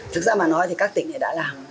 thực ra mà nói thì các tỉnh này đã làm